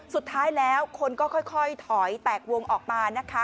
สุดท้ายแล้วคนก็ค่อยถอยแตกวงออกมานะคะ